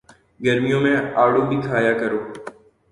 گرمیوں میں آڑو بھی کھایا کرو